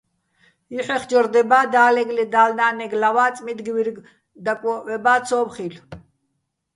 ჲუჰ̦ეხჯორ დება́, და́ლეგო̆, ლე დალნა́ნეგო̆ ლავა́, წმიდგივუ́ჲრგ დაკვო́ჸვება́, ცო́მ ხილ'ო̆.